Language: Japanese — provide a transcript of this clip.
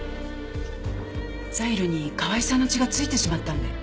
ザイルに河合さんの血が付いてしまったんで。